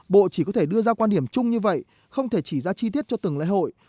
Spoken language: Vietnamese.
bộ chỉ có thể đưa ra quan điểm chung như vậy không thể chỉ ra chi tiết cho từng lễ hội